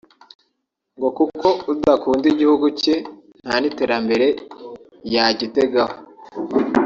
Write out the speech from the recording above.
ngo kuko udakunda igihugu cye nta n’iterambere yagitegaho